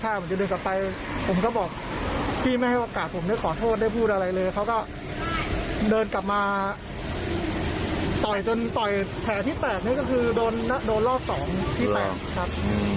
ตั้งแต่นั้นก็คือโดนรอดสองที่แปดครับ